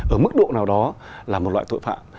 ở mức độ nào đó là một loại tội phạm